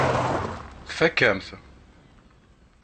Tfakk-am-t.